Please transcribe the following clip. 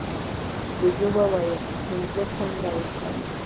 جوجو وویل پینځه چنده ورکوم.